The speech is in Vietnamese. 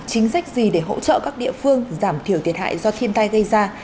chính sách gì để hỗ trợ các địa phương giảm thiểu thiệt hại do thiên tai gây ra